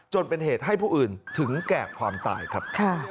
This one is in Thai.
จนเป็นเหตุให้ผู้อื่นถึงแก่ความตายครับ